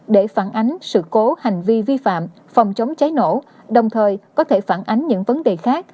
để phản ánh sự cố hành vi vi phạm phòng chống cháy nổ đồng thời có thể phản ánh những vấn đề khác